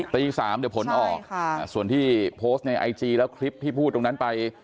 ตี๓เดี๋ยวผลออกส่วนที่โพสต์ในไอจีแล้วคลิปที่พูดตรงนั้นไป